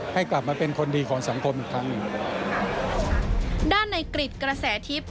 ให้กลับมาเป็นคนดีของสังคมอีกครั้งหนึ่งด้านในกริจกระแสทิพย์